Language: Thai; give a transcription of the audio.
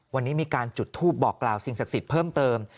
วันนี้มีการจุดทูปบอกกล่าวสิ่งศักดิ์สิทธิ์เพิ่มเติม